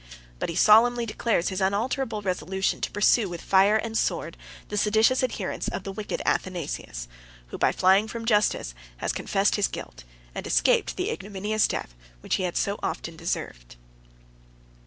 But he solemnly declares his unalterable resolution to pursue with fire and sword the seditious adherents of the wicked Athanasius, who, by flying from justice, has confessed his guilt, and escaped the ignominious death which he had so often deserved.